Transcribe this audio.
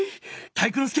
体育ノ介！